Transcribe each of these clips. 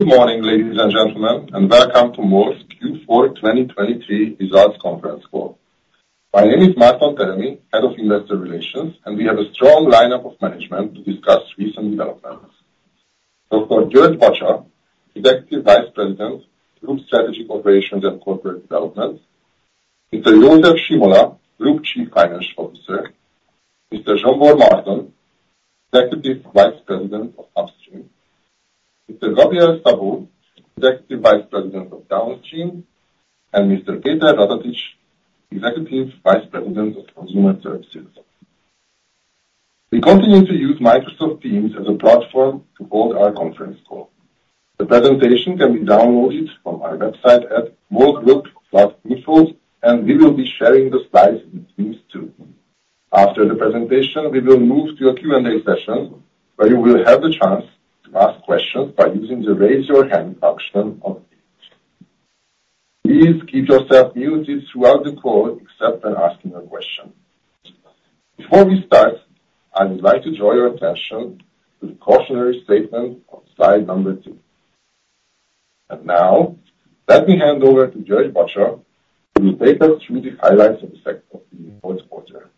Good morning, ladies and gentlemen, and welcome to MOL's Q4 2023 results conference call. My name is Márton Terner, Head of Investor Relations, and we have a strong lineup of management to discuss recent developments. Dr. György Bacsa, Executive Vice President, Group Strategy, Operations and Corporate Development, Mr. József Simola, Group Chief Financial Officer, Mr. Zsombor Marton, Executive Vice President of Upstream, Mr. Gabriel Szabó, Executive Vice President of Downstream, and Mr. Péter Ratatics, Executive Vice President of Consumer Services. We continue to use Microsoft Teams as a platform to hold our conference call. The presentation can be downloaded from our website at molgroup.info, and we will be sharing the slides in Teams, too. After the presentation, we will move to a Q&A session, where you will have the chance to ask questions by using the Raise Your Hand function on Teams. Please keep yourself muted throughout the call, except when asking a question. Before we start, I would like to draw your attention to the cautionary statement on slide number 2. Now, let me hand over to György Bacsa, who will take us through the highlights of the Q4.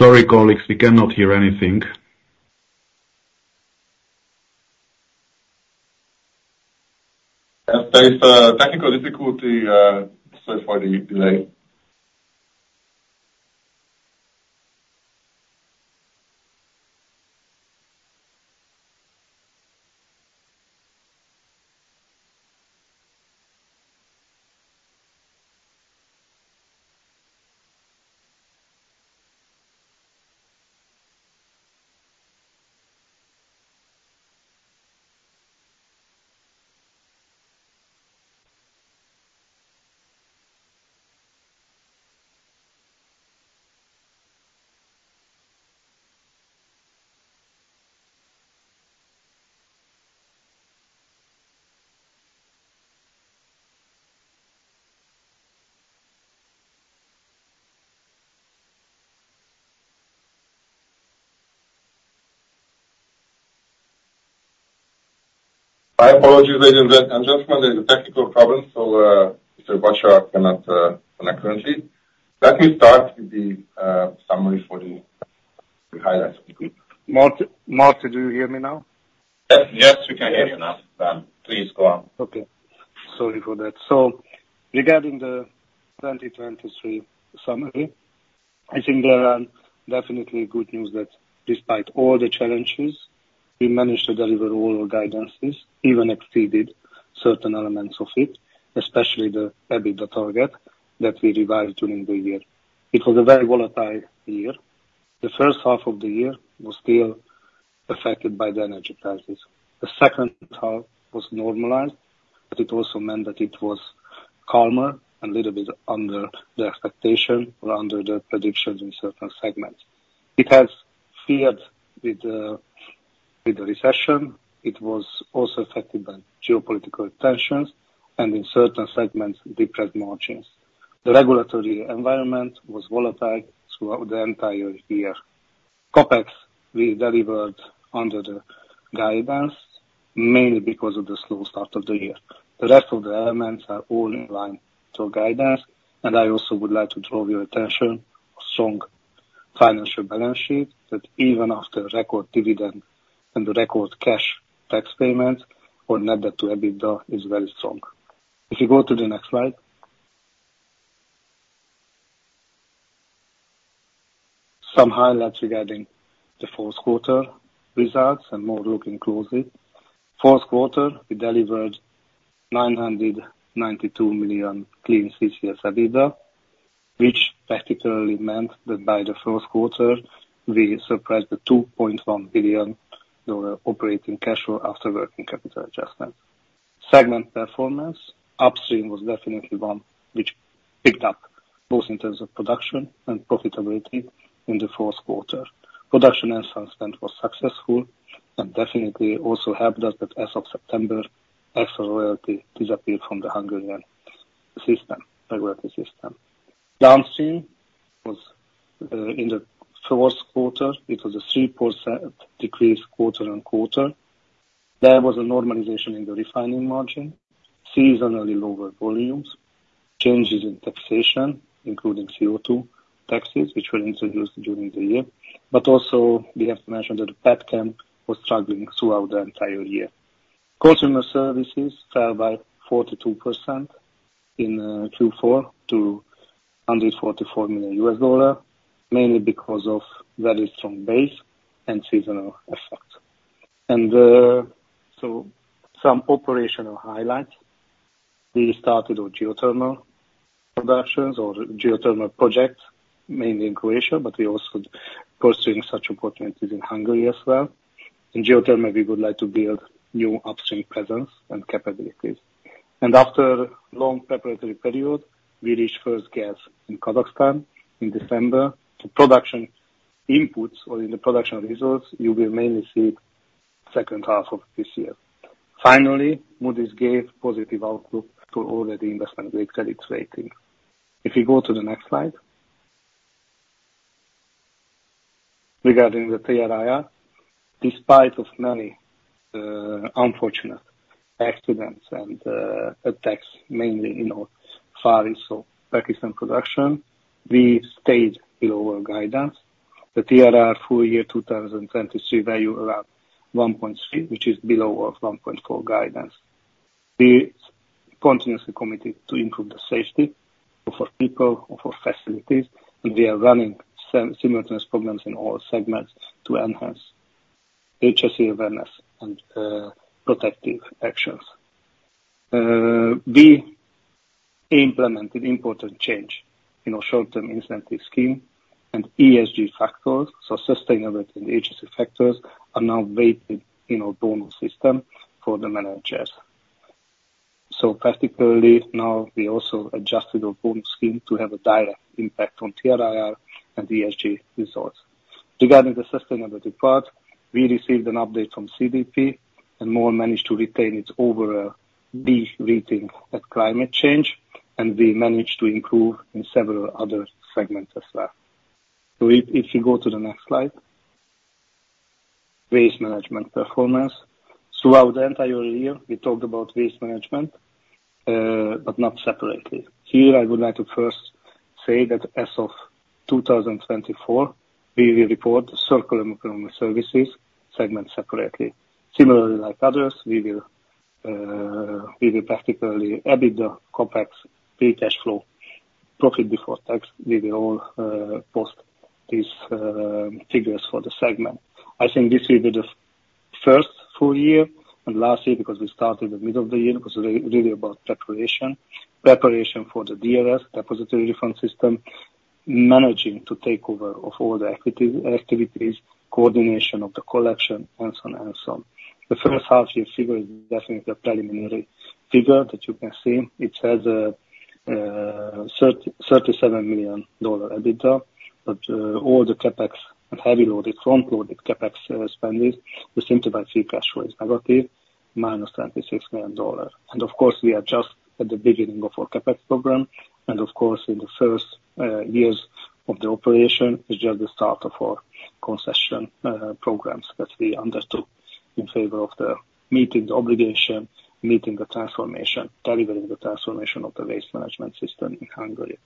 Sorry, colleagues, we cannot hear anything. Yes, there is a technical difficulty. Sorry for the delay. My apologies, ladies and gentlemen, there's a technical problem, so Mr. Bacsa cannot connect currently. Let me start with the summary for the highlights. Márton, do you hear me now? Yes, yes, we can hear you now. Please go on. Okay. Sorry for that. So regarding the 2023 summary, I think there are definitely good news that despite all the challenges, we managed to deliver all our guidances, even exceeded certain elements of it, especially the EBITDA target that we revised during the year. It was a very volatile year. The first half of the year was still affected by the energy crisis. The second half was normalized, but it also meant that it was calmer and little bit under the expectation or under the predictions in certain segments. It has feared with the recession, it was also affected by geopolitical tensions, and in certain segments, depressed margins. The regulatory environment was volatile throughout the entire year. CapEx, we delivered under the guidance, mainly because of the slow start of the year. The rest of the elements are all in line to our guidance, and I also would like to draw your attention to a strong financial balance sheet that even after record dividend and the record cash tax payments, our net debt to EBITDA is very strong. If you go to the next slide. Some highlights regarding the Q4 results and more looking closely. Q4, we delivered $992 million clean CCS EBITDA, which practically meant that by the Q1, we surprised the $2.1 billion operating cash flow after working capital adjustment. Segment performance, upstream was definitely one which picked up, both in terms of production and profitability in the Q4. Production was successful, and definitely also helped us that as of September, extra royalty disappeared from the Hungarian system, regulatory system. Downstream was in the Q1 a 3% decrease quarter-on-quarter. There was a normalization in the refining margin, seasonally lower volumes, changes in taxation, including CO2 taxes, which were introduced during the year. But also, we have to mention that the petchem was struggling throughout the entire year. Consumer services fell by 42% in Q4 to $144 million, mainly because of very strong base and seasonal effect. And so some operational highlights, we started our geothermal productions or geothermal projects, mainly in Croatia, but we also pursuing such opportunities in Hungary as well. In geothermal, we would like to build new upstream presence and capabilities. And after long preparatory period, we reached first gas in Kazakhstan in December. The production inputs or in the production results, you will mainly see second half of this year. Finally, Moody's gave positive outlook to all the investment grades and its rating. If you go to the next slide. Regarding the TRR, despite of many unfortunate accidents and attacks, mainly in our far east of Pakistan production, we stayed below our guidance. The TRR full year 2023 value around 1.3, which is below our 1.4 guidance. We continuously committed to improve the safety of our people, of our facilities, and we are running simultaneous programs in all segments to enhance HSE awareness and protective actions. We implemented important change in our short-term incentive scheme and ESG factors, so sustainability and HSE factors are now weighted in our bonus system for the managers. So practically, now, we also adjusted our bonus scheme to have a direct impact on TRR and ESG results. Regarding the sustainability part, we received an update from CDP, and MOL managed to retain its overall B rating at climate change, and we managed to improve in several other segments as well. So if you go to the next slide. Waste management performance. Throughout the entire year, we talked about waste management, but not separately. Here, I would like to first say that as of 2024, we will report circular economy services segment separately. Similarly, like others, we will practically EBITDA, CapEx, free cash flow, profit before tax, we will all post these figures for the segment. I think this will be the first full year and last year, because we started the middle of the year, it was really about preparation. Preparation for the DRS, Deposit Refund System, managing to take over of all the activities, coordination of the collection, and so on and so on. The first half year figure is definitely a preliminary figure that you can see. It says, thirty-seven million dollar EBITDA, but, all the CapEx and heavy loaded, front-loaded CapEx, spendings, we think about free cash flow is negative, minus twenty-six million dollars. And of course, we are just at the beginning of our CapEx program, and of course, in the first years of the operation, it's just the start of our concession programs that we undertook in favor of the meeting the obligation, meeting the transformation, delivering the transformation of the waste management system in Hungary.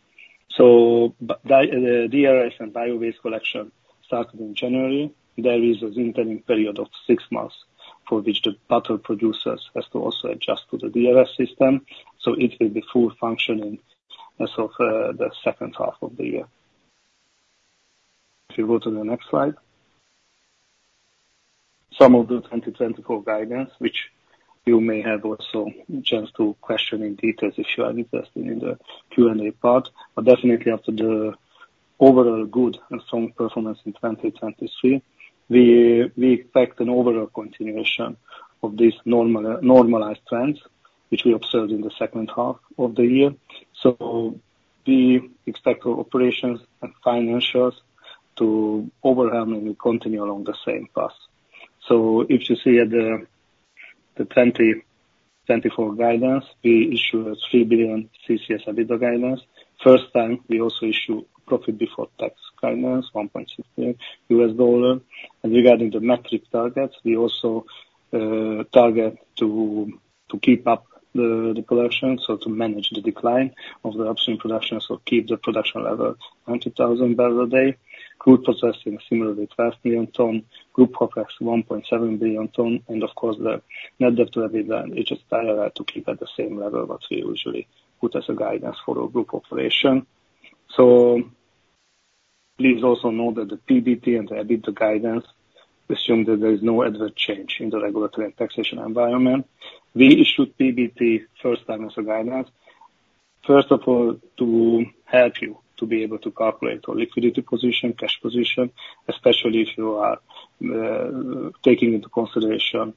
So the DRS and biowaste collection started in January. There is an interim period of six months for which the bottle producers has to also adjust to the DRS system, so it will be full functioning as of the second half of the year. If you go to the next slide. Some of the 2024 guidance, which you may have also a chance to question in details, if you are interested in the Q&A part. But definitely after the overall good and strong performance in 2023, we, we expect an overall continuation of this normalized trends, which we observed in the second half of the year. So we expect our operations and financials to overwhelmingly continue along the same path. So if you see at the 2024 guidance, we issue a $3 billion CCS EBITDA guidance. First time, we also issue profit before tax guidance, $1.68. Regarding the metric targets, we also target to keep up the production, so to manage the decline of the upstream production, so keep the production level at 90,000 barrels a day, crude processing similarly, 12 million ton, group complex, 1.7 billion ton, and of course, the net debt to EBITDA, we just try our best to keep at the same level as we usually put as a guidance for our group operation. So please also note that the PBT and EBITDA guidance assume that there is no adverse change in the regulatory and taxation environment. We issued PBT first time as a guidance, first of all, to help you to be able to calculate our liquidity position, cash position, especially if you are taking into consideration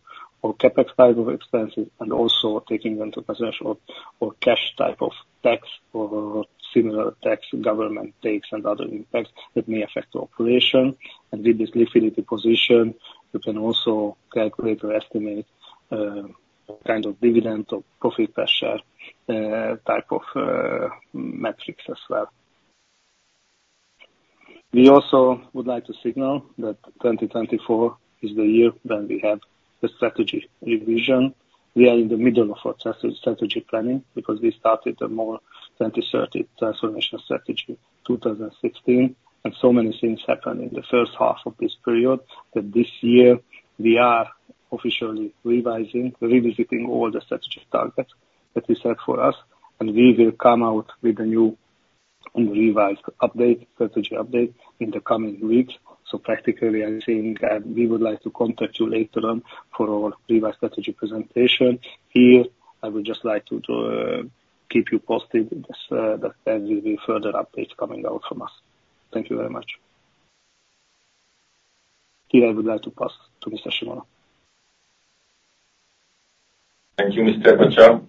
our CapEx type of expenses, and also taking into consideration our cash type of tax or similar tax government takes and other impacts that may affect operation. With this liquidity position, you can also calculate or estimate kind of dividend or profit per share type of metrics as well. We also would like to signal that 2024 is the year when we have the strategy revision. We are in the middle of our strategic planning, because we started a more 2030 transformation strategy, 2016, and so many things happened in the first half of this period, that this year we are-... officially revising, revisiting all the strategic targets that we set for us, and we will come out with a new and revised update, strategy update, in the coming weeks. So practically, I think, we would like to contact you later on for our revised strategy presentation. Here, I would just like to, keep you posted with this, that there will be further updates coming out from us. Thank you very much. Here, I would like to pass to Mr. Simola. Thank you, Mr. Bacsa.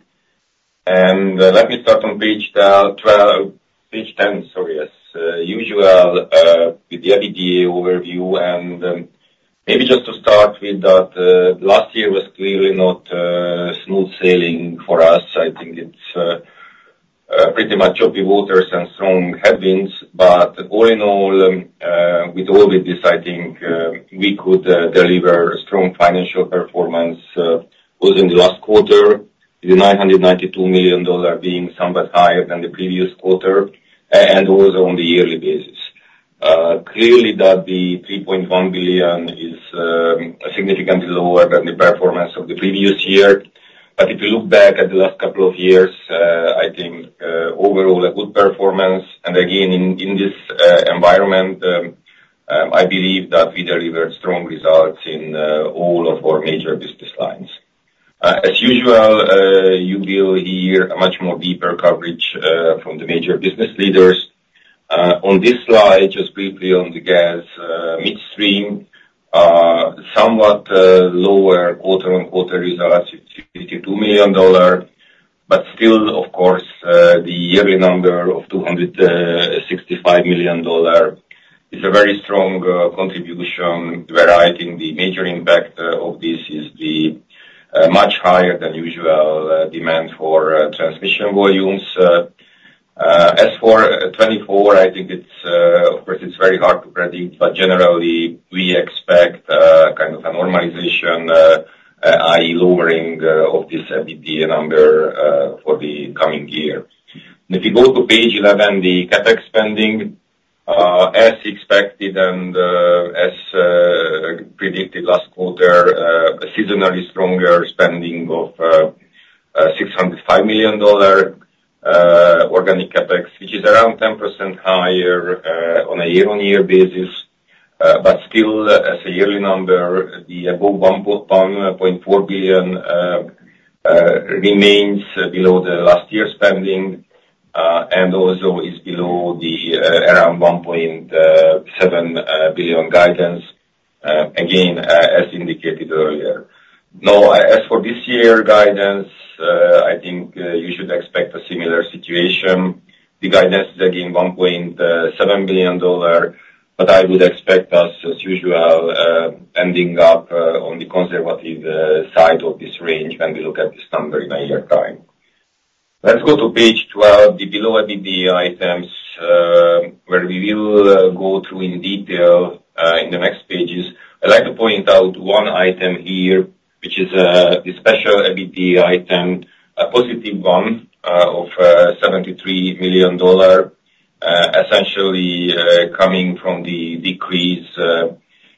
And, let me start on page 12- page 10, sorry, as usual, with the EBITDA overview, and, maybe just to start with that, last year was clearly not smooth sailing for us. I think it's pretty much choppy waters and strong headwinds, but all in all, with all of this, I think we could deliver strong financial performance, within the last quarter, the $992 million being somewhat higher than the previous quarter, and also on the yearly basis. Clearly that the $3.1 billion is significantly lower than the performance of the previous year, but if you look back at the last couple of years, I think overall, a good performance. In this environment, I believe that we delivered strong results in all of our major business lines. As usual, you will hear a much more deeper coverage from the major business leaders. On this slide, just briefly on the gas midstream, somewhat lower quarter-on-quarter result, $62 million, but still, of course, the yearly number of $265 million is a very strong contribution, where I think the major impact of this is the much higher than usual demand for transmission volumes. As for 2024, I think it's, of course, very hard to predict, but generally, we expect kind of a normalization, i.e., lowering of this EBITDA number for the coming year. And if you go to page 11, the CapEx spending, as expected and, as, predicted last quarter, a seasonally stronger spending of $605 million, organic CapEx, which is around 10% higher, on a year-on-year basis, but still, as a yearly number, the above $1.4 billion, remains below the last year's spending, and also is below the, around $1.7 billion guidance, again, as indicated earlier. Now, as for this year guidance, I think, you should expect a similar situation. The guidance is again, $1.7 billion, but I would expect us, as usual, ending up, on the conservative, side of this range when we look at this number in a year time. Let's go to page 12, the below EBITDA items, where we will go through in detail in the next pages. I'd like to point out one item here, which is the special EBITDA item, a positive one of $73 million, essentially coming from the decrease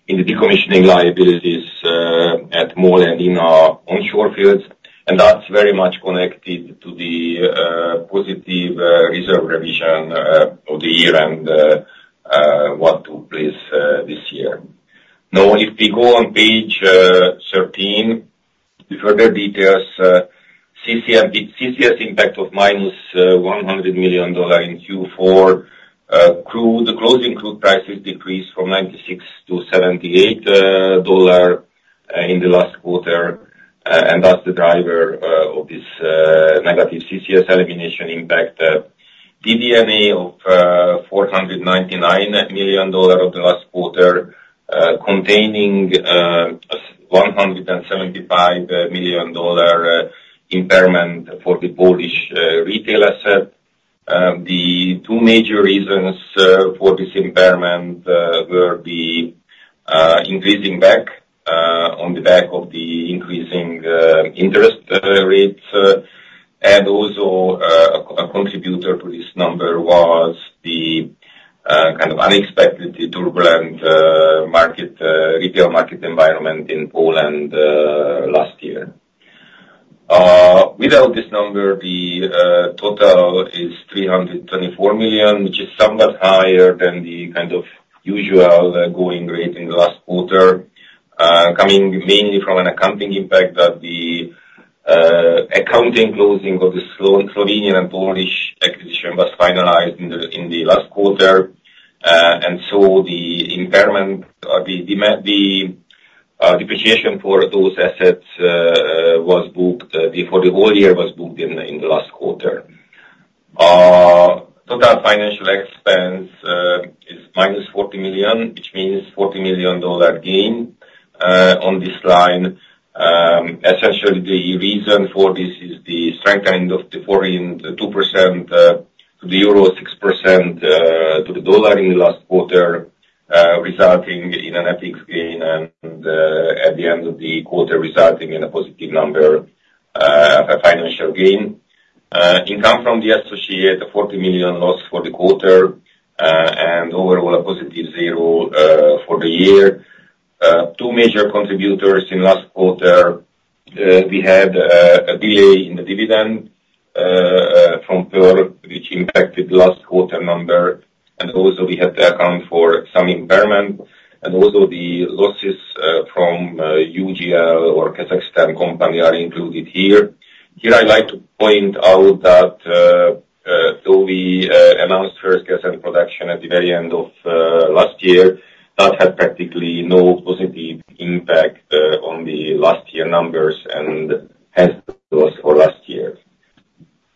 in the decommissioning liabilities at our onshore fields. And that's very much connected to the positive reserve revision of the year and what to place this year. Now, if we go on page 13, the further details, CCS impact of minus $100 million in Q4. Crude, the closing crude prices decreased from $96 to $78 in the last quarter, and that's the driver of this negative CCS elimination impact. EBITDA of $499 million for the last quarter, containing $175 million impairment for the Polish retail asset. The two major reasons for this impairment were the increasing bank on the back of the increasing interest rates, and also a contributor to this number was the kind of unexpectedly turbulent retail market environment in Poland last year. Without this number, the total is $324 million, which is somewhat higher than the kind of usual going rate in the last quarter, coming mainly from an accounting impact that the accounting closing of the Slovenian and Polish acquisition was finalized in the last quarter. And so the impairment, the depreciation for those assets was booked before the whole year was booked in the last quarter. Total financial expense is -$40 million, which means $40 million dollar gain on this line. Essentially, the reason for this is the strengthening of the forint 2% to the euro, 6% to the dollar in the last quarter, resulting in an FX gain and at the end of the quarter, resulting in a positive number, a financial gain. Income from the associate, a $40 million loss for the quarter, and overall, a positive zero for the year. Two major contributors in last quarter, we had a delay in the dividend from Pearl, which impacted last quarter number, and also we had to account for some impairment. Also the losses from UOG, our Kazakhstan company, are included here. Here, I'd like to point out that though we announced first gas and production at the very end of last year, that had practically no positive impact on the last year numbers and had loss for last year.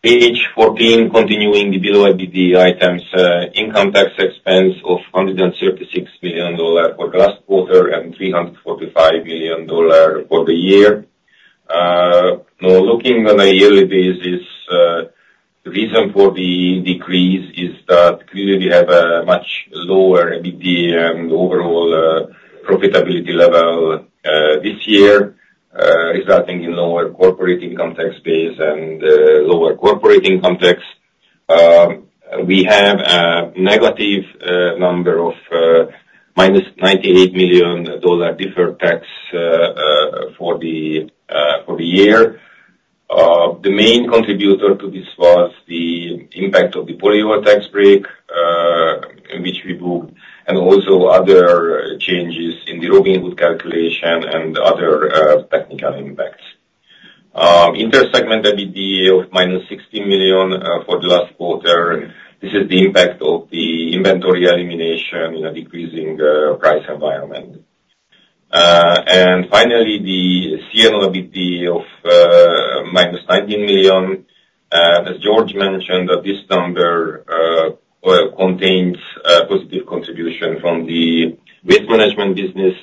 Page 14, continuing the below EBITDA items, income tax expense of $136 million for last quarter, and $345 million for the year. Now, looking on a yearly basis, the reason for the decrease is that clearly we have a much lower EBD and overall, profitability level, this year, resulting in lower corporate income tax base and, lower corporate income tax. We have a negative number of minus $98 million deferred tax, for the year. The main contributor to this was the impact of the Polyol tax break, which we booked, and also other changes in the Robin Hood calculation and other, technical impacts. Intersegment EBD of minus $60 million, for the last quarter. This is the impact of the inventory elimination in a decreasing, price environment. And finally, the C&O EBD of minus $19 million. As George mentioned, that this number contains positive contribution from the waste management business.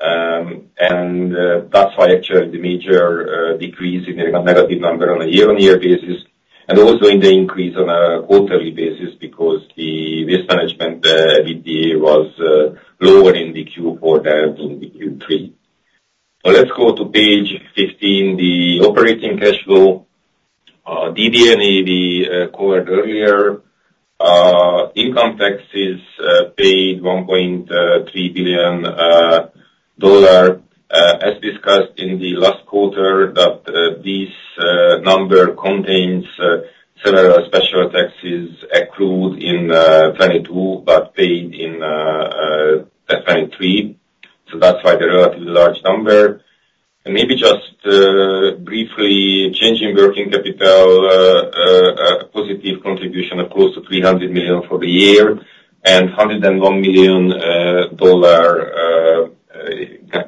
And that's why actually the major decrease in the negative number on a year-on-year basis, and also in the increase on a quarterly basis, because the waste management EBD was lower in the Q4 than in the Q3. So let's go to page 15, the operating cash flow. DD&A, we covered earlier. Income taxes paid $1.3 billion. As discussed in the last quarter, that this number contains several special taxes accrued in 2022, but paid in 2023. So that's why the relatively large number. Maybe just briefly, changing working capital, a positive contribution of close to $300 million for the year, and $101 million dollar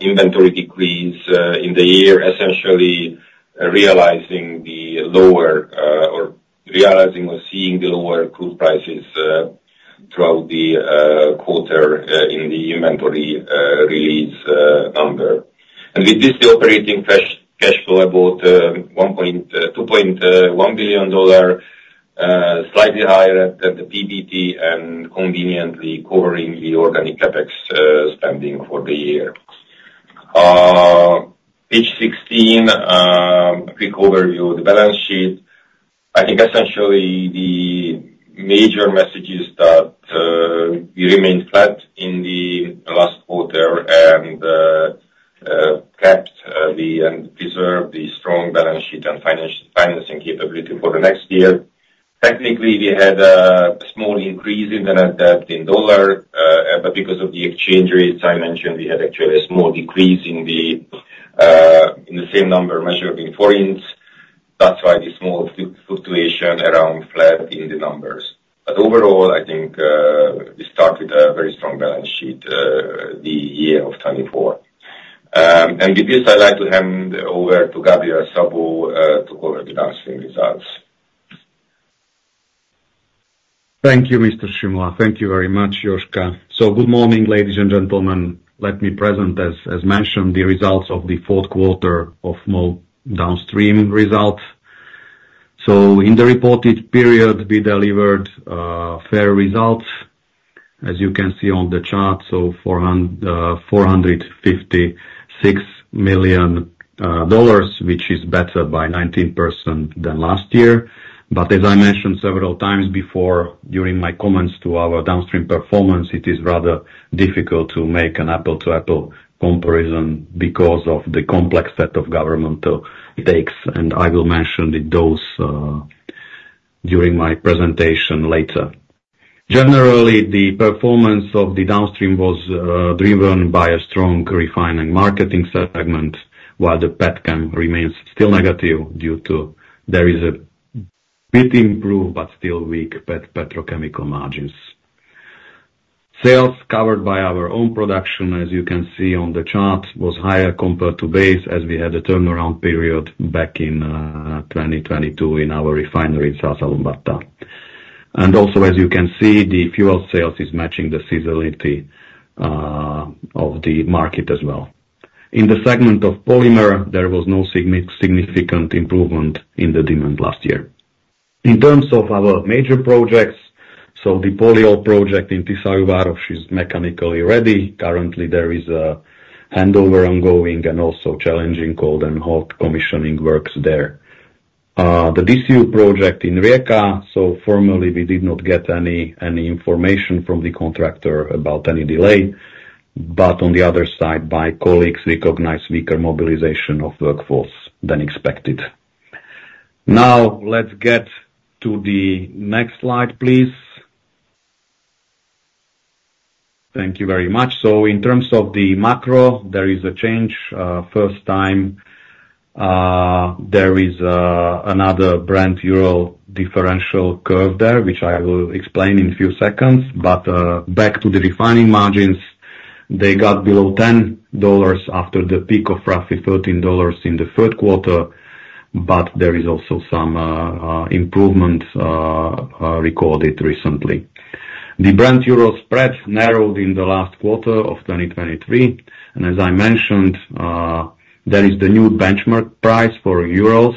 inventory decrease in the year, essentially realizing the lower, or realizing or seeing the lower crude prices throughout the quarter in the inventory release number. With this, the operating cash cash flow about 1.21 billion dollar, slightly higher than the PBT and conveniently covering the organic CapEx spending for the year. Page 16, a quick overview of the balance sheet. I think essentially, the major message is that we remained flat in the last quarter and kept and preserved the strong balance sheet and financing capability for the next year. Technically, we had a small increase in the net debt in dollar, but because of the exchange rates, I mentioned we had actually a small decrease in the same number measured in forints. That's why the small fluctuation around flat in the numbers. But overall, I think we start with a very strong balance sheet the year of 2024. And with this, I'd like to hand over to Gabriel Szabó to cover the downstream results. Thank you, Mr. Simola. Thank you very much, Joska. Good morning, ladies and gentlemen. Let me present, as mentioned, the results of the Q4 downstream results. In the reported period, we delivered fair results, as you can see on the chart, $456 million, which is better by 19% than last year. But as I mentioned several times before, during my comments to our downstream performance, it is rather difficult to make an apple-to-apple comparison because of the complex set of governmental takes, and I will mention those during my presentation later. Generally, the performance of the downstream was driven by a strong refining marketing segment, while the petchem remains still negative due to there is a bit improved, but still weak pet, petrochemical margins. Sales covered by our own production, as you can see on the chart, was higher compared to base, as we had a turnaround period back in 2022 in our refinery in Arad, Romania. Also, as you can see, the fuel sales is matching the seasonality of the market as well. In the segment of polymer, there was no significant improvement in the demand last year. In terms of our major projects, the Polyol project in Tiszaújváros is mechanically ready. Currently, there is a handover ongoing and also challenging cold and hot commissioning works there. The DCU project in Rijeka, so formally, we did not get any information from the contractor about any delay, but on the other side, my colleagues recognized weaker mobilization of workforce than expected. Now, let's get to the next slide, please. Thank you very much. So in terms of the macro, there is a change. First time, there is another Brent-Euro differential curve there, which I will explain in a few seconds. But, back to the refining margins, they got below $10 after the peak of roughly $13 in the Q3, but there is also some improvement recorded recently. The Brent-Euro spread narrowed in the last quarter of 2023, and as I mentioned, there is the new benchmark price for Urals,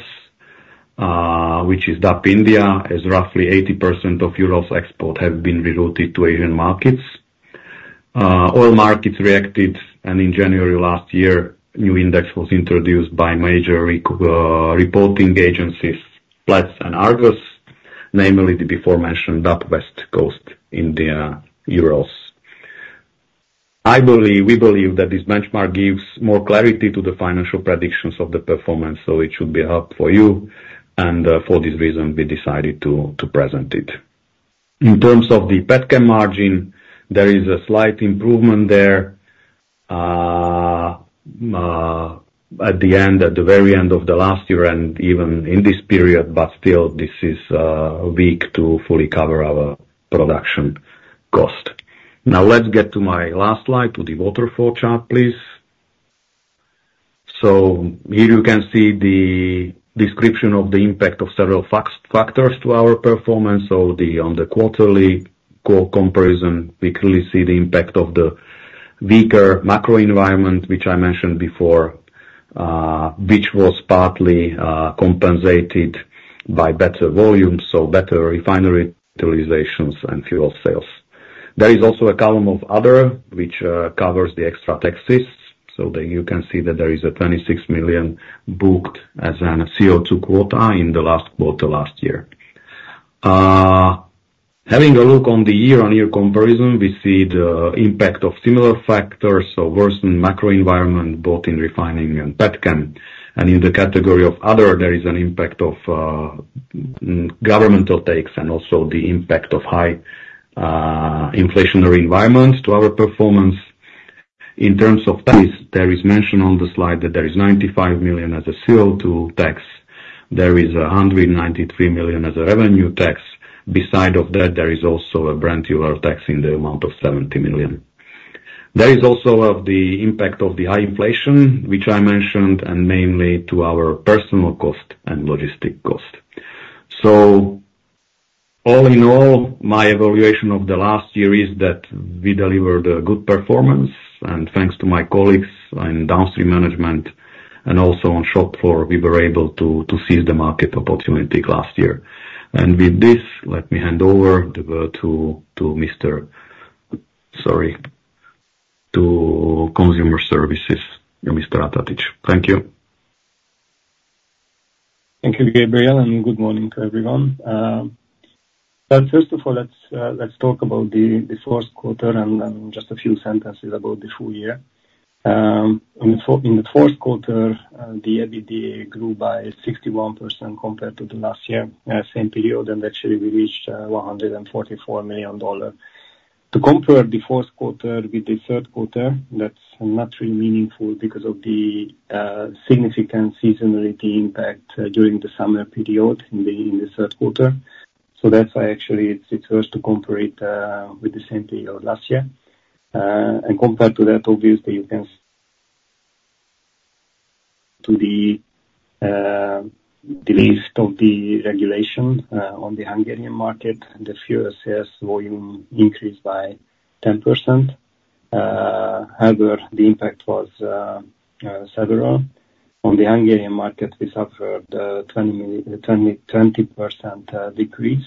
which is DAP India, as roughly 80% of Urals export have been rerouted to Asian markets. Oil markets reacted, and in January last year, new index was introduced by major reporting agencies, Platts and Argus, namely the beforementioned DAP West Coast India Urals. I believe, we believe that this benchmark gives more clarity to the financial predictions of the performance, so it should be help for you, and, for this reason, we decided to present it. In terms of the petchem margin, there is a slight improvement there, at the end, at the very end of the last year and even in this period, but still this is weak to fully cover our production cost. Now, let's get to my last slide, to the waterfall chart, please. So here you can see the description of the impact of several factors to our performance. So, on the quarterly comparison, we clearly see the impact of the weaker macro environment, which I mentioned before, which was partly compensated by better volumes, so better refinery utilizations and fuel sales. There is also a column of other, which covers the extra taxes, so that you can see that there is a $26 million booked as an CO2 quota in the last quarter, last year. Having a look on the year-on-year comparison, we see the impact of similar factors, so worsened macro environment, both in refining and petchem. And in the category of other, there is an impact of governmental takes and also the impact of high inflationary environments to our performance. In terms of tax, there is mention on the slide that there is $95 million as a CO2 tax. There is a $193 million as a revenue tax. Beside of that, there is also a Brent oil tax in the amount of $70 million. There is also of the impact of the high inflation, which I mentioned, and mainly to our personal cost and logistic cost. So all in all, my evaluation of the last year is that we delivered a good performance, and thanks to my colleagues in downstream management and also on shop floor, we were able to seize the market opportunity last year. And with this, let me hand over to Mr... Sorry, to consumer services, Mr. Ratatics. Thank you. Thank you, Gabriel, and good morning to everyone. But first of all, let's talk about the Q4 and then just a few sentences about the full year. In the Q4, the EBITDA grew by 61% compared to the last year, same period, and actually we reached $144 million. To compare the Q4 with the Q3, that's not really meaningful because of the significant seasonality impact during the summer period in the Q3. So that's why actually it's worth to compare it with the same period last year. And compared to that, obviously, you can... To the release of the regulation on the Hungarian market, the fuel sales volume increased by 10%. However, the impact was several. On the Hungarian market, we suffered 20% decrease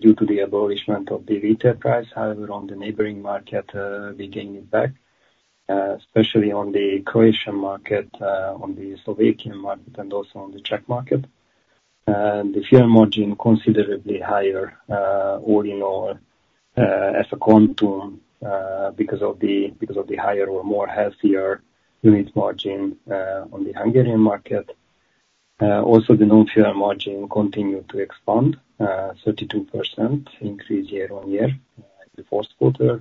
due to the abolishment of the retail price. However, on the neighboring market, we gained it back, especially on the Croatian market, on the Slovakian market, and also on the Czech market. The fuel margin considerably higher, all in all, as a quantum, because of the higher or more healthier unit margin on the Hungarian market. Also, the non-fuel margin continued to expand, 32% increase year-on-year in the Q4,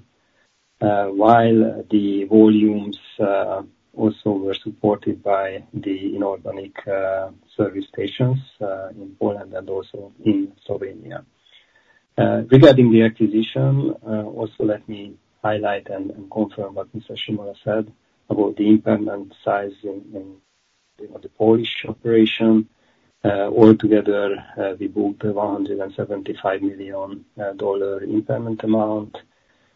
while the volumes also were supported by the inorganic service stations in Poland and also in Slovenia. Regarding the acquisition, also let me highlight and confirm what Mr. Simola said about the impairment sizing in the Polish operation. Altogether, we booked a $175 million dollar impairment amount.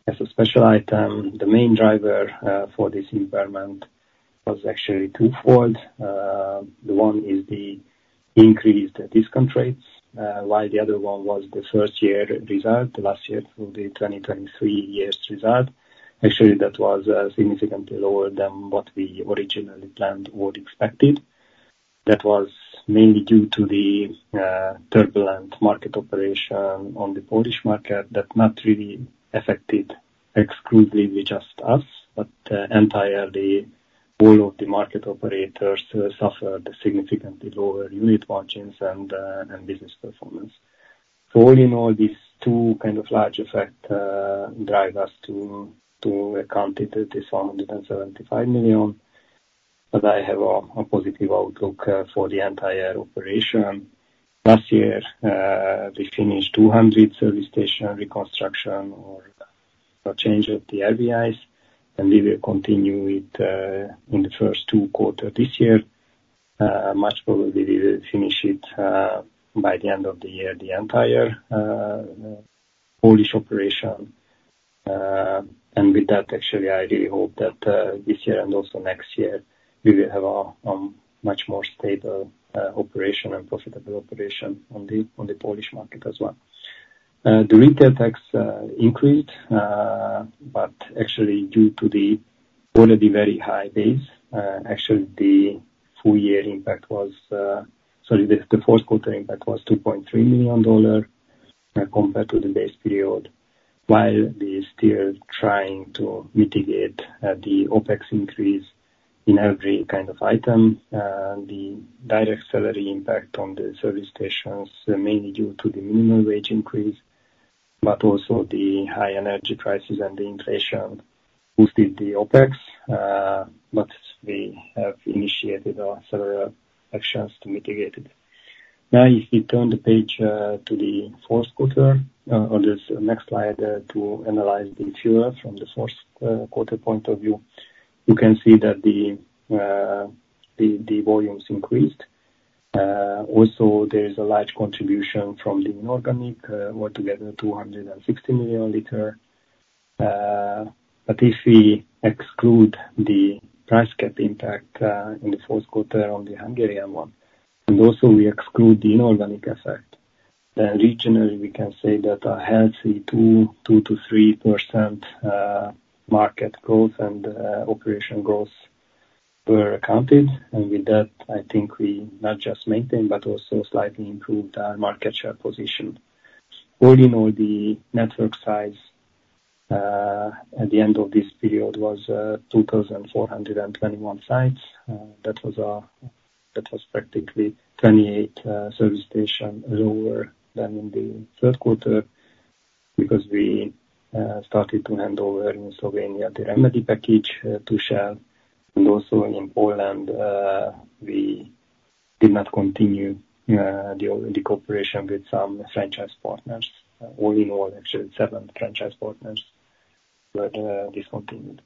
As a special item, the main driver for this impairment was actually twofold. The one is the increased discount rates, while the other one was the first year result, last year from the 2023 year's result. Actually, that was significantly lower than what we originally planned or expected. That was mainly due to the turbulent market operation on the Polish market, that not really affected exclusively just us, but entirely all of the market operators suffered significantly lower unit margins and business performance. So all in all, these two kind of large effect drive us to account it, this $175 million, but I have a positive outlook for the entire operation. Last year, we finished 200 service station reconstruction or a change of the LBIs, and we will continue it in the first 2 quarters this year. Much probably we will finish it by the end of the year, the entire Polish operation. And with that, actually, I really hope that this year and also next year, we will have a much more stable operation and profitable operation on the Polish market as well. The retail tax increased, but actually due to the already very high base, actually the full year impact was... Sorry, the Q4 impact was $2.3 million compared to the base period. While we still trying to mitigate the OpEx increase in every kind of item, the direct salary impact on the service stations, mainly due to the minimum wage increase, but also the high energy prices and the inflation boosted the OpEx. But we have initiated several actions to mitigate it. Now, if you turn the page to the Q4 on this next slide to analyze the fuel from the Q1 point of view, you can see that the volumes increased. Also, there is a large contribution from the inorganic, altogether 260 million liters. But if we exclude the price cap impact in the Q4 on the Hungarian one, and also we exclude the inorganic effect, then regionally, we can say that a healthy 2%-3% market growth and operation growth were accounted. And with that, I think we not just maintain, but also slightly improved our market share position. All in all, the network size at the end of this period was 2,421 sites. That was practically 28 service stations lower than in the Q3, because we started to hand over in Slovenia the remedy package to Shell. And also in Poland, we did not continue the cooperation with some franchise partners. All in all, actually seven franchise partners were discontinued.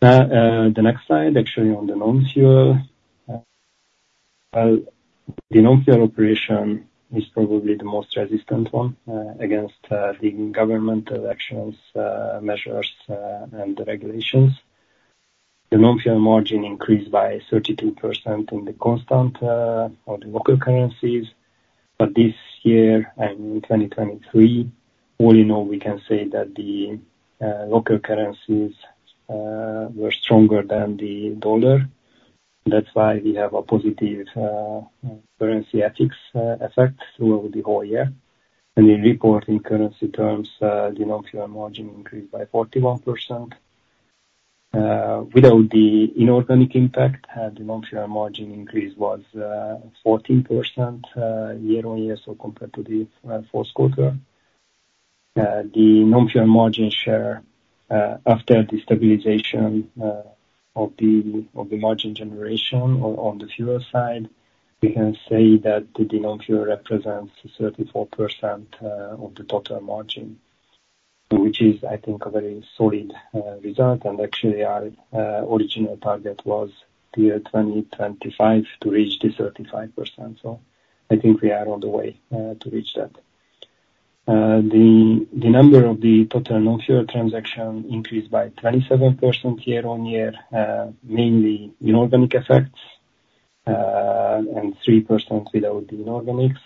The next slide, actually on the non-fuel. The non-fuel operation is probably the most resistant one against the government election measures and the regulations. The non-fuel margin increased by 32% in constant local currencies. But this year, and in 2023, all in all, we can say that the local currencies were stronger than the dollar. That's why we have a positive currency effect throughout the whole year. And the reported in currency terms, the non-fuel margin increased by 41%. Without the inorganic impact, the non-fuel margin increase was 14% year-on-year, so compared to the Q4. The non-fuel margin share, after the stabilization of the margin generation on the fuel side, we can say that the non-fuel represents 34% of the total margin. Which is, I think, a very solid result. And actually, our original target was the year 2025 to reach the 35%. So I think we are on the way to reach that. The number of the total non-fuel transaction increased by 27% year-on-year, mainly inorganic effects, and 3% without the inorganics.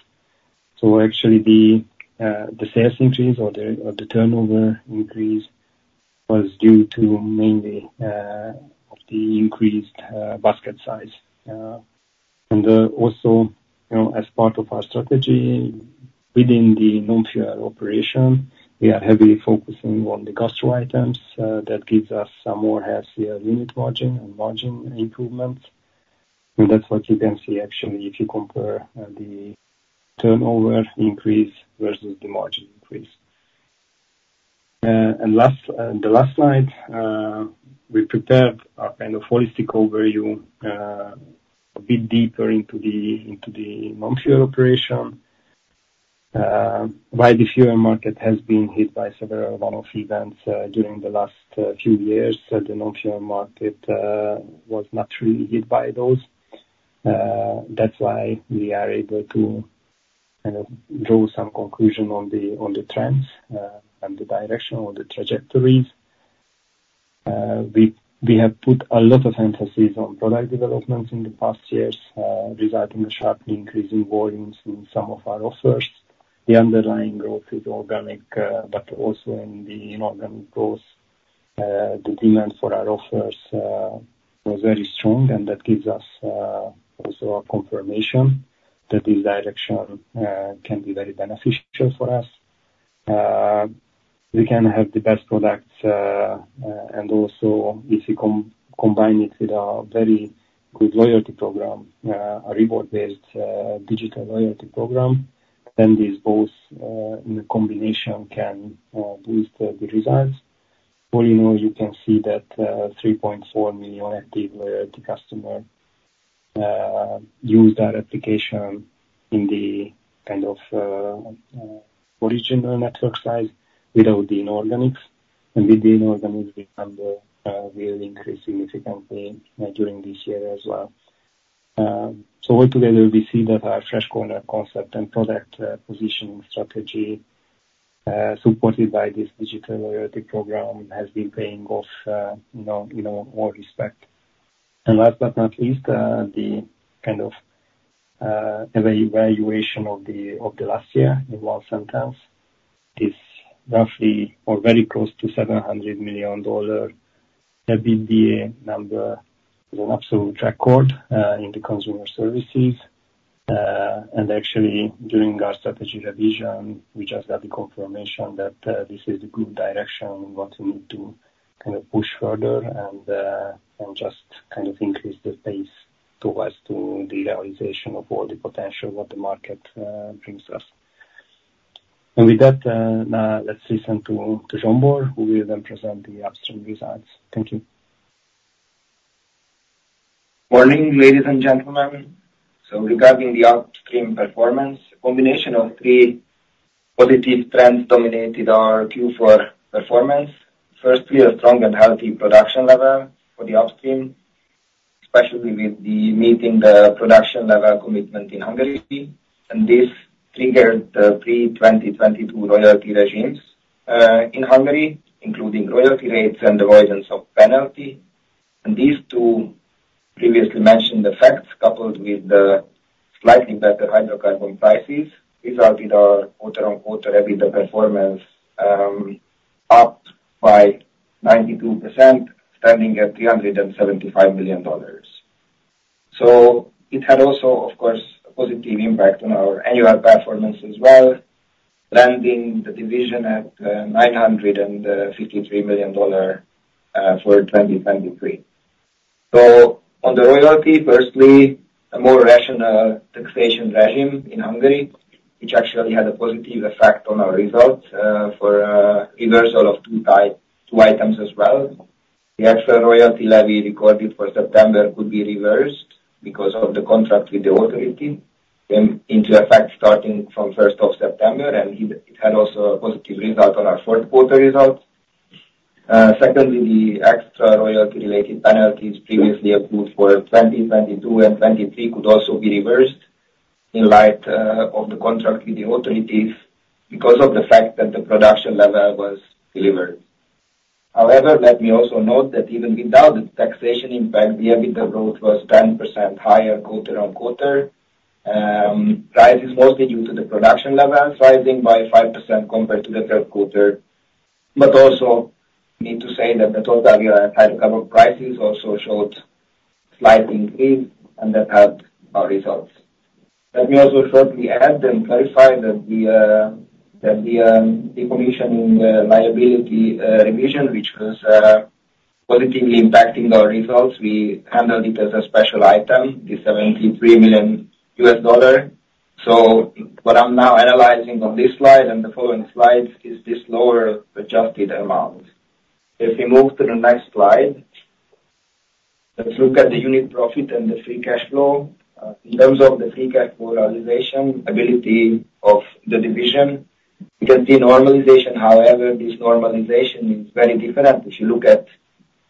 So actually, the sales increase or the turnover increase was due to mainly of the increased basket size. Also, you know, as part of our strategy within the non-fuel operation, we are heavily focusing on the gastro items, that gives us some more healthier unit margin and margin improvement. And that's what you can see actually, if you compare, the turnover increase versus the margin increase. And last, the last slide, we prepared a kind of holistic overview, a bit deeper into the, into the non-fuel operation. While the fuel market has been hit by several one-off events, during the last, few years, the non-fuel market, was not really hit by those. That's why we are able to, kind of, draw some conclusion on the, on the trends, and the direction or the trajectories. We have put a lot of emphasis on product developments in the past years, resulting in sharply increasing volumes in some of our offers. The underlying growth is organic, but also in the inorganic growth, the demand for our offers was very strong, and that gives us also a confirmation that this direction can be very beneficial for us. We can have the best products, and also if you combine it with a very good loyalty program, a reward-based digital loyalty program, then these both in the combination can boost the results. All in all, you can see that 3.4 million active customers use that application in the kind of original network size without the inorganics, and with the inorganics, the number will increase significantly during this year as well. So altogether, we see that our Fresh Corner concept and product positioning strategy, supported by this digital loyalty program, has been paying off in all respects. Last but not least, the evaluation of the last year in one sentence is roughly or very close to $700 million. EBITDA number is an absolute record in the Consumer Services. Actually, during our strategy revision, we just got the confirmation that this is a good direction, and what we need to kind of push further and just kind of increase the pace towards to the realization of all the potential what the market brings us. And with that, now let's listen to Zsombor, who will then present the upstream results. Thank you. Morning, ladies and gentlemen. Regarding the upstream performance, a combination of three positive trends dominated our Q4 performance. Firstly, a strong and healthy production level for the upstream, especially with the meeting the production level commitment in Hungary, and this triggered the pre-2022 royalty regimes in Hungary, including royalty rates and the avoidance of penalty. These two previously mentioned effects, coupled with the slightly better hydrocarbon prices, resulted our quarter-on-quarter EBITDA performance up by 92%, standing at $375 million. It had also, of course, a positive impact on our annual performance as well, landing the division at $953 million for 2023. So on the royalty, firstly, a more rational taxation regime in Hungary, which actually had a positive effect on our results, for reversal of two type, two items as well. The extra royalty levy recorded for September could be reversed because of the contract with the authority, came into effect starting from first of September, and it had also a positive result on our Q4 results. Secondly, the extra royalty-related penalties previously approved for 2022 and 2023 could also be reversed in light of the contract with the authorities because of the fact that the production level was delivered. However, let me also note that even without the taxation impact, the EBITDA growth was 10% higher quarter-on-quarter. Rise is mostly due to the production levels, rising by 5% compared to the Q3. But also need to say that the total year hydrocarbon prices also showed slight increase, and that helped our results. Let me also shortly add and clarify that the decommissioning liability revision, which was positively impacting our results, we handled it as a special item, the $73 million. So what I'm now analyzing on this slide and the following slides is this lower adjusted amount. If we move to the next slide, let's look at the unit profit and the free cashflow. In terms of the free cashflow realization ability of the division, you can see normalization. However, this normalization is very different if you look at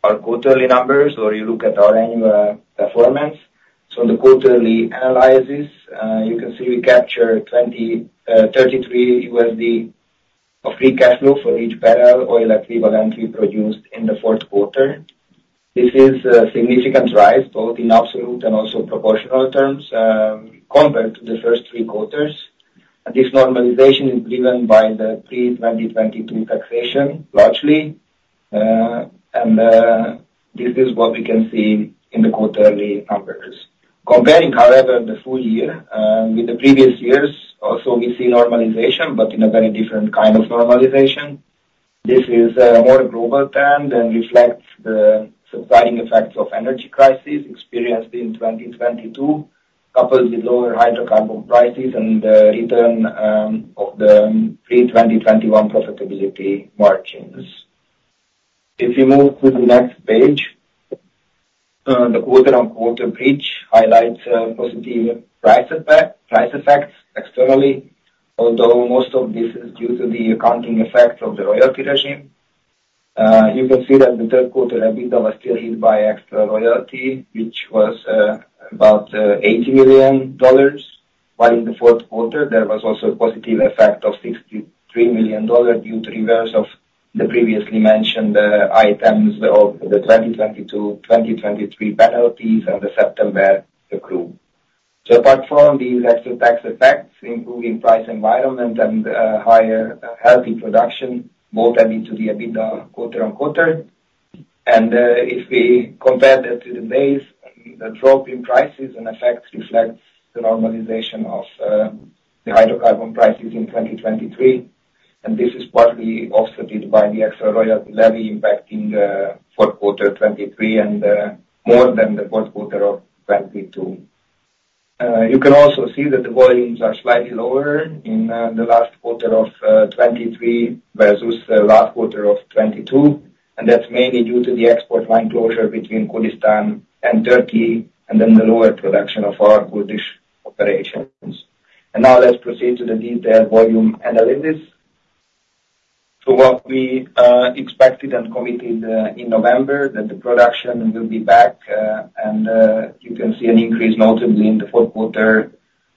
our quarterly numbers or you look at our annual performance. So in the quarterly analysis, you can see we capture $23 of free cashflow for each barrel oil equivalent we produced in the Q4. This is a significant rise, both in absolute and also proportional terms, compared to the first three quarters. This normalization is driven by the pre-2022 taxation, largely. And this is what we can see in the quarterly numbers. Comparing, however, the full year with the previous years, also we see normalization, but in a very different kind of normalization. This is more global trend and reflects the supplying effects of energy crisis experienced in 2022, coupled with lower hydrocarbon prices and the return of the pre-2021 profitability margins. If you move to the next page, the quarter-over-quarter bridge highlights positive price effect, price effects externally, although most of this is due to the accounting effect of the royalty regime. You can see that the Q3 EBITDA was still hit by extra royalty, which was about $80 million, while in the Q4, there was also a positive effect of $63 million due to reverse of the previously mentioned items of the 2022, 2023 penalties and the September accrual. So apart from these extra tax effects, improving price environment and higher healthy production, both led into the EBITDA quarter-over-quarter. If we compare that to the base, the drop in prices and effect reflects the normalization of the hydrocarbon prices in 2023, and this is partly offsetted by the extra royalty levy impacting the Q4 2023 and more than the Q4 of 2022. You can also see that the volumes are slightly lower in the last quarter of 2023 versus the last quarter of 2022, and that's mainly due to the export line closure between Kurdistan and Turkey, and then the lower production of our Kurdish operations. Now let's proceed to the detailed volume analysis. So what we expected and committed in November, that the production will be back, and you can see an increase notably in the Q4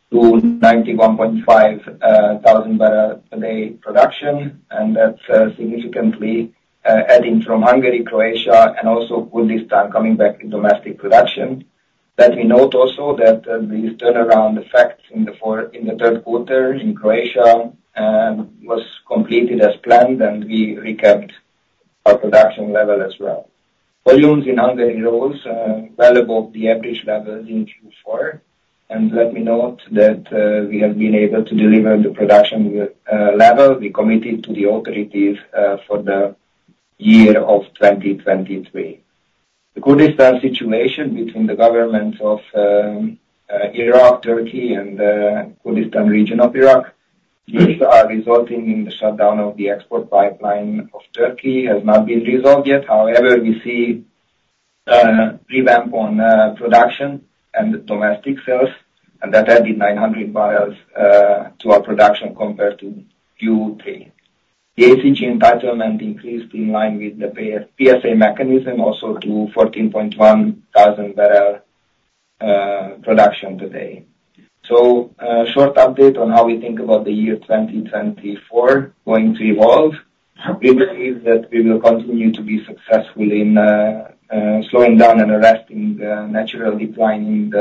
to 91.5 thousand barrels a day production, and that's significantly adding from Hungary, Croatia and also Kurdistan coming back in domestic production. Let me note also that the turnaround effects in the Q3 in Croatia was completed as planned, and we recapped our production level as well. Volumes in Hungary rose well above the average levels in Q4, and let me note that we have been able to deliver the production level we committed to the authorities for the year of 2023. The Kurdistan situation between the governments of Iraq, Turkey, and the Kurdistan region of Iraq, which are resulting in the shutdown of the export pipeline of Turkey, has not been resolved yet. However, we see revamp on production and domestic sales, and that added 900 barrels to our production compared to Q3. The ACG entitlement increased in line with the PSA mechanism, also to 14.1 thousand barrel production today. So, short update on how we think about the year 2024 going to evolve. We believe that we will continue to be successful in slowing down and arresting the natural decline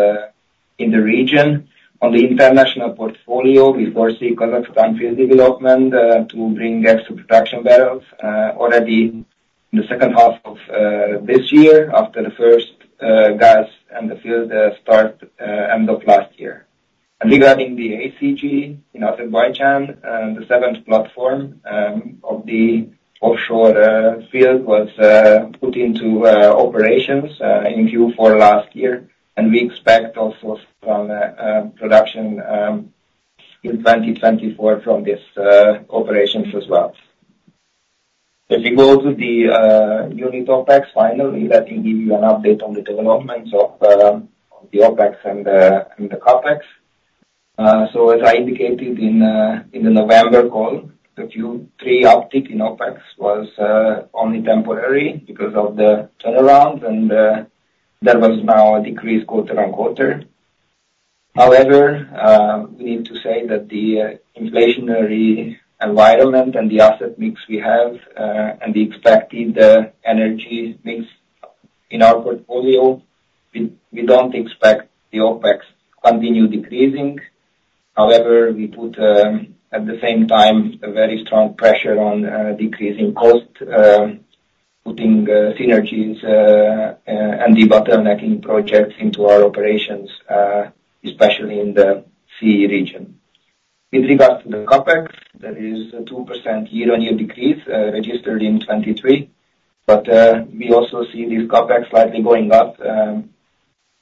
in the region. On the international portfolio, we foresee Kazakhstan field development to bring extra production barrels already in the second half of this year, after the first gas and the field start end of last year. Regarding the ACG in Azerbaijan, the seventh platform of the offshore field was put into operations in Q4 last year, and we expect also some production in 2024 from this operations as well. If you go to the unit OpEx, finally, let me give you an update on the developments of the OpEx and the CapEx. So as I indicated in the November call, the Q3 uptick in OpEx was only temporary because of the turnaround, and there was now a decrease quarter-on-quarter. However, we need to say that the inflationary environment and the asset mix we have, and the expected energy mix in our portfolio, we don't expect the OpEx continue decreasing. However, we put, at the same time, a very strong pressure on decreasing cost, putting synergies and the bottlenecking projects into our operations, especially in the CEE region. With regards to the CapEx, that is a 2% year-on-year decrease registered in 2023, but we also see this CapEx slightly going up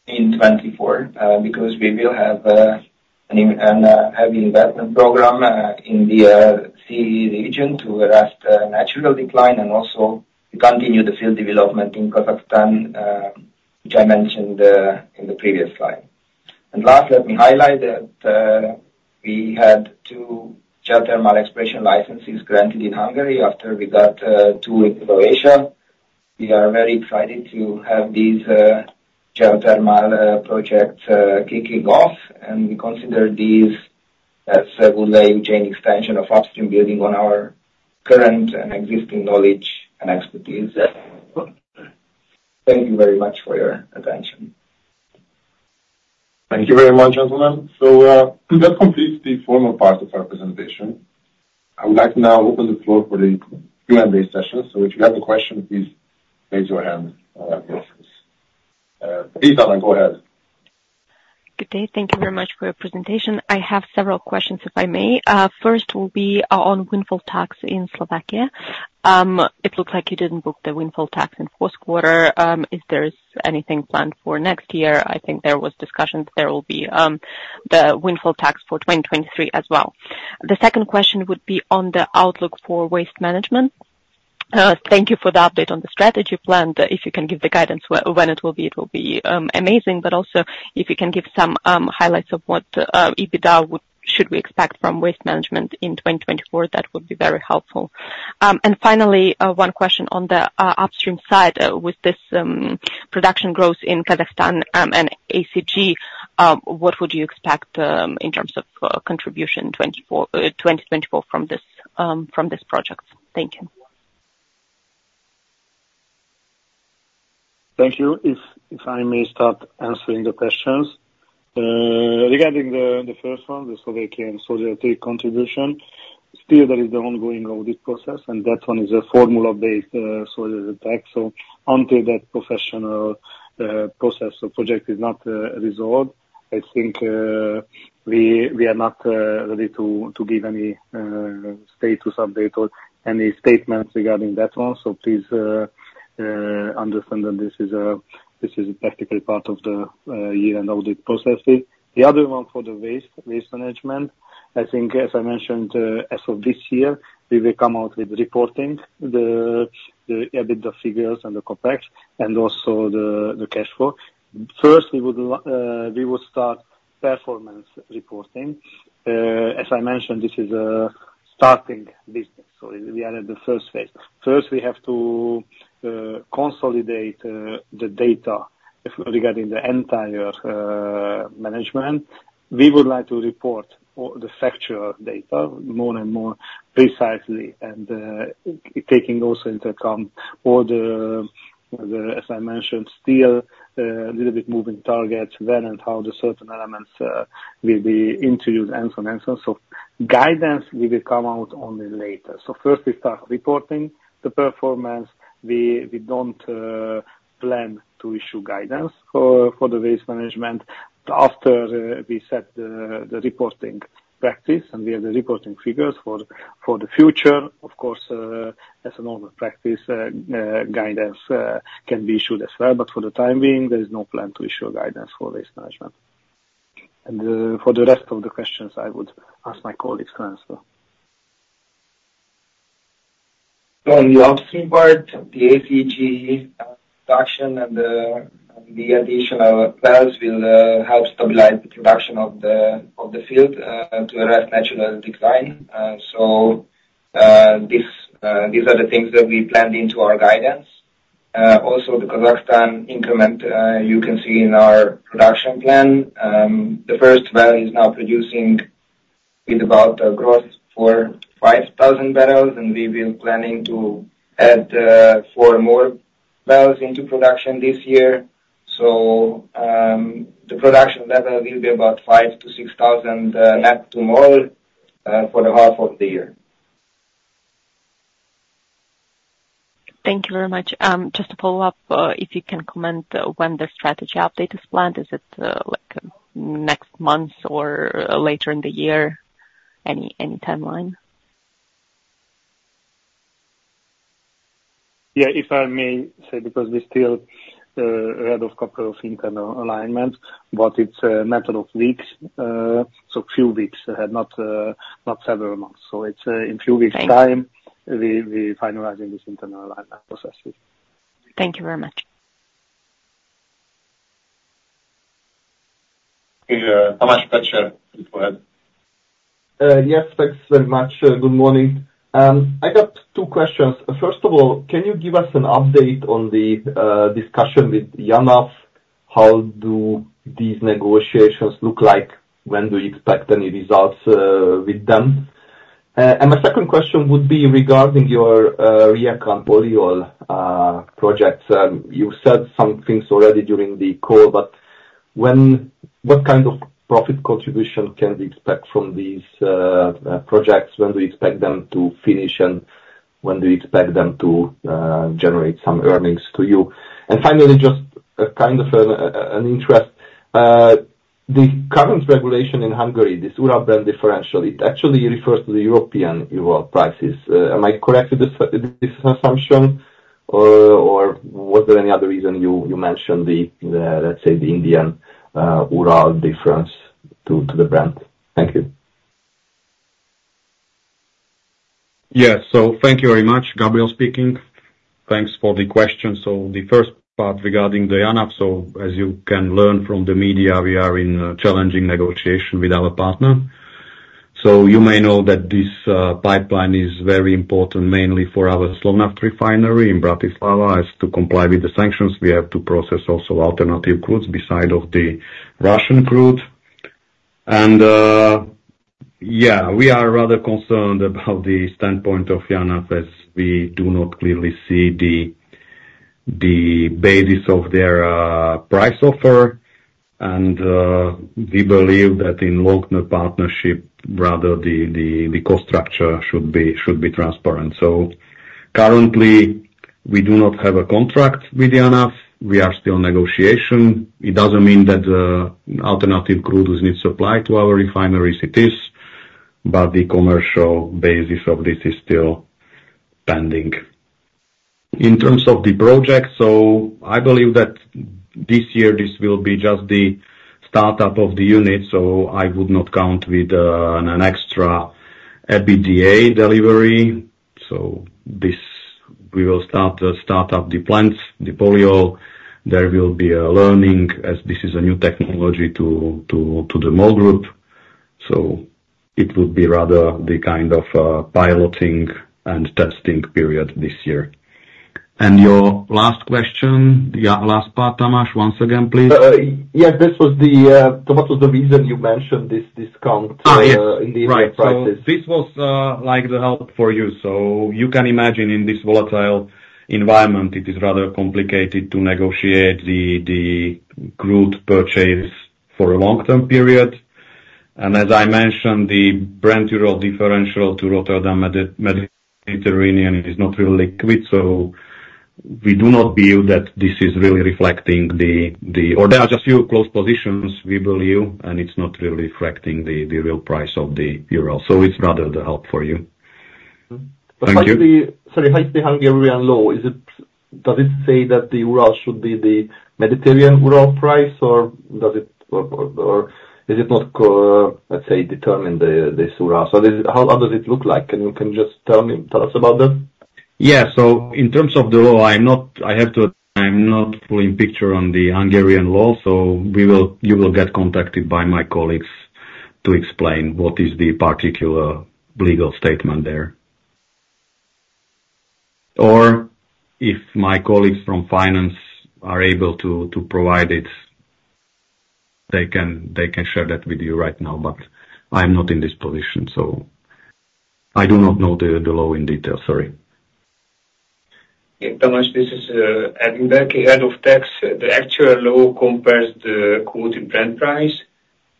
in 2024, because we will have an in- and heavy investment program in the CEE region to arrest the natural decline and also continue the field development in Kazakhstan, which I mentioned in the previous slide. Last, let me highlight that we had two geothermal exploration licenses granted in Hungary after we got two in Croatia. We are very excited to have these geothermal projects kicking off, and we consider these as a good value chain extension of upstream, building on our current and existing knowledge and expertise. Thank you very much for your attention. Thank you very much, gentlemen. So, that completes the formal part of our presentation. I would like to now open the floor for the Q&A session. So if you have a question, please raise your hand, Lisa, go ahead. Good day. Thank you very much for your presentation. I have several questions, if I may. First will be on windfall tax in Slovakia. It looks like you didn't book the windfall tax in Q4. Is there anything planned for next year? I think there was discussions there will be the windfall tax for 2023 as well. The second question would be on the outlook for waste management. Thank you for the update on the strategy plan. If you can give the guidance when it will be, it will be amazing, but also, if you can give some highlights of what EBITDA should we expect from waste management in 2024, that would be very helpful. And finally, one question on the upstream side. With this production growth in Kazakhstan and ACG, what would you expect in terms of contribution 2024 from this project? Thank you. Thank you. If I may start answering the questions. Regarding the first one, the Slovakian solidarity contribution, still there is the ongoing audit process, and that one is a formula-based solidarity tax. So until that professional process or project is not resolved, I think we are not ready to give any status update or any statements regarding that one. So please understand that this is practically part of the year-end audit processes. The other one, for the waste management, I think, as I mentioned, as of this year, we will come out with reporting the EBITDA figures and the CapEx, and also the cash flow. First, we would like we would start performance reporting. As I mentioned, this is a starting business, so we are at the first phase. First, we have to consolidate the data regarding the entire management. We would like to report all the factual data more and more precisely, and taking also into account all the, the, as I mentioned, still little bit moving targets, when and how the certain elements will be introduced, and so on, and so on. So guidance, we will come out only later. So first we start reporting the performance. We don't plan to issue guidance for the waste management. After we set the reporting practice and we have the reporting figures for the future, of course, as a normal practice, guidance can be issued as well. For the time being, there is no plan to issue guidance for waste management. For the rest of the questions, I would ask my colleagues to answer. On the upstream part, the ACG production and the additional will help stabilize the production of the field to arrest natural decline. So, these are the things that we planned into our guidance. Also, the Kazakhstan increment you can see in our production plan. The first well is now producing with about a growth for 5,000 barrels, and we've been planning to add 4 more barrels into production this year. So, the production level will be about 5,000-6,000 net to oil for the half of the year. Thank you very much. Just to follow up, if you can comment when the strategy update is planned? Is it like next month or later in the year? Any timeline? Yeah, if I may say, because we still ahead of couple of internal alignment, but it's a matter of weeks, so few weeks, not several months. So it's in few weeks' time- Thank you. We finalizing this internal alignment processes. Thank you very much. Tamás Pletser, go ahead. Yes, thanks very much. Good morning. I got two questions. First of all, can you give us an update on the discussion with JANAF? How do these negotiations look like? When do you expect any results with them? And my second question would be regarding your Rijeka and Polyol projects. You said some things already during the call, but when... What kind of profit contribution can we expect from these projects? When do you expect them to finish, and when do you expect them to generate some earnings to you? And finally, just kind of an interest. The current regulation in Hungary, this differential, it actually refers to the European oil prices. Am I correct with this assumption, or was there any other reason you mentioned the, let's say, the Indian Urals difference to the Brent? Thank you. Yes. So thank you very much. Gabriel speaking. Thanks for the questions. So the first part regarding the JANAF, so as you can learn from the media, we are in a challenging negotiation with our partner. So you may know that this, pipeline is very important, mainly for our Slovnaft refinery in Bratislava. As to comply with the sanctions, we have to process also alternative crude beside of the Russian crude. And, yeah, we are rather concerned about the standpoint of JANAF, as we do not clearly see the, the basis of their, price offer, and, we believe that in long-term partnership, rather the, the, the cost structure should be, should be transparent. So currently, we do not have a contract with JANAF. We are still in negotiation. It doesn't mean that alternative crudes will need supply to our refineries it is, but the commercial basis of this is still pending. In terms of the project, so I believe that this year this will be just the startup of the unit, so I would not count with an extra EBITDA delivery. So this-... we will start up the plants, the Polyol. There will be a learning, as this is a new technology to the MOL Group, so it would be rather the kind of piloting and testing period this year. And your last question, yeah, last part, Tamás, once again, please. Yes, this was the, so what was the reason you mentioned this discount? Ah, yes. in the prices? Right. So this was like the help for you. So you can imagine in this volatile environment, it is rather complicated to negotiate the crude purchase for a long-term period. And as I mentioned, the Brent-Urals differential to Rotterdam-Mediterranean is not really liquid, so we do not believe that this is really reflecting the... Or there are just few close positions, we believe, and it's not really reflecting the real price of the Urals. So it's rather the help for you. Thank you. Sorry, how is the Hungarian law? Is it—does it say that the Urals should be the Mediterranean Urals price, or does it, or is it not, let's say, determine this Urals? So this is... How does it look like? Can you just tell us about that? Yeah, so in terms of the law, I'm not—I have to admit, I'm not fully in the picture on the Hungarian law, so we will—you will get contacted by my colleagues to explain what is the particular legal statement there. Or if my colleagues from finance are able to provide it, they can share that with you right now, but I'm not in this position, so I do not know the law in detail. Sorry. Yeah, Tamás, this is, Edit Berkó, head of tax. The actual law compares the quoted Brent price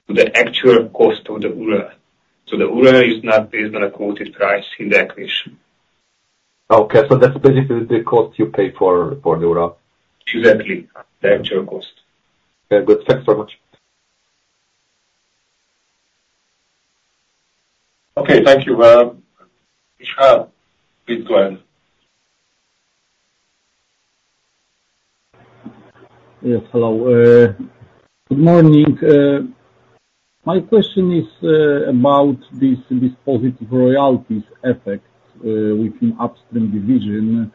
to the actual cost of the Urals. So the Urals is not based on a quoted price in the acquisition. Okay, so that's basically the cost you pay for the Urals? Exactly. The actual cost. Okay, good. Thanks so much. Okay, thank you, Michelle, please go ahead. Yes, hello. Good morning. My question is about this positive royalties effect within upstream division.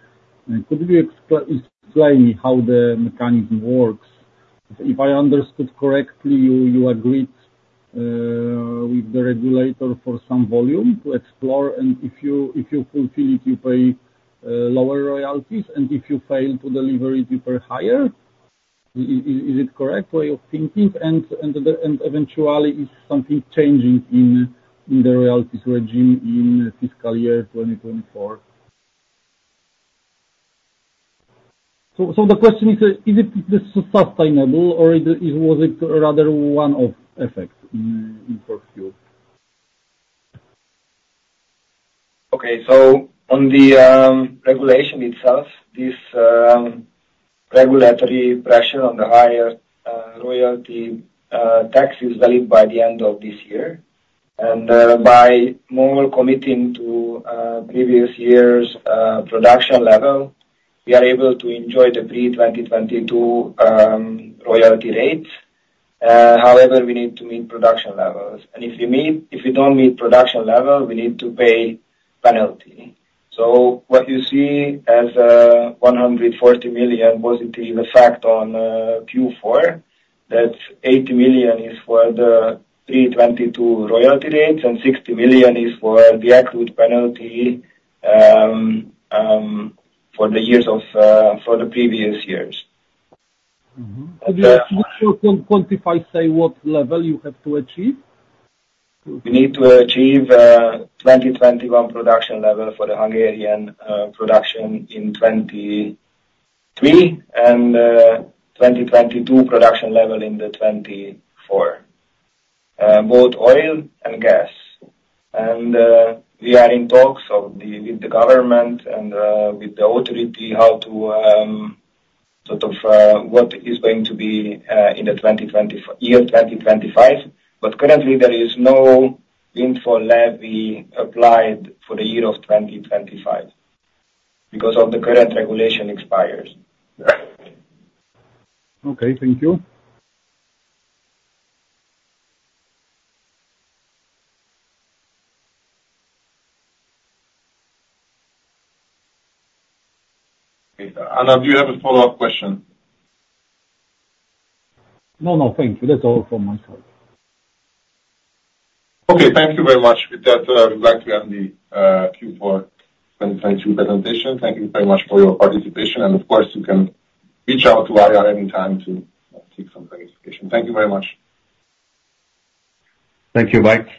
Could you explain me how the mechanism works? If I understood correctly, you agreed with the regulator for some volume to explore, and if you fulfill it, you pay lower royalties, and if you fail to deliver it, you pay higher. Is it correct way of thinking? And eventually, is something changing in the royalties regime in fiscal year 2024? So the question is, is it this sustainable or is it rather one-off effect in Q4? Okay, so on the regulation itself, this regulatory pressure on the higher royalty tax is valid by the end of this year. And by more committing to previous years production level, we are able to enjoy the pre-2022 royalty rates. However, we need to meet production levels. And if you meet, if you don't meet production level, we need to pay penalty. So what you see as $140 million positive effect on Q4, that $80 million is for the pre-2022 royalty rates, and $60 million is for the accrued penalty for the years of for the previous years. Mm-hmm. Could you, quantify, say, what level you have to achieve? We need to achieve 2021 production level for the Hungarian production in 2023, and 2022 production level in 2024, both oil and gas. And we are in talks with the government and with the authority on how to sort of what is going to be in the year 2025. But currently, there is no windfall levy applied for the year of 2025 because the current regulation expires. Okay, thank you. Okay, Anna, do you have a follow-up question? No, no, thank you. That's all for myself. Okay, thank you very much. With that, we'd like to end the Q4 2022 presentation. Thank you very much for your participation, and of course, you can reach out to IR anytime to seek some clarification. Thank you very much. Thank you, Mike.